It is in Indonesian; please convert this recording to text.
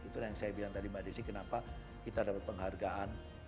itu yang saya bilang tadi mbak desi kenapa kita dapat penghargaan